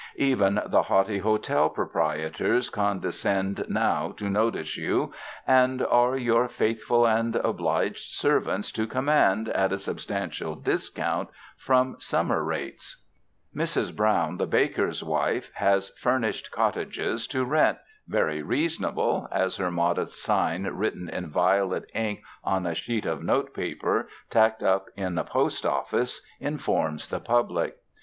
Even the haughty hotel proprie tors condescend now to notice you and are your faithful and obliged servants to command at a sub stantial discount from summer rates. Mrs. Brown, 191 UNDER THE SKY IN CALIFORNIA the baker's wife, has furnished cottages to rent, "very reasonable," as her modest sign written in violet ink on a sheet of note paper tacked up in the post office, informs the public.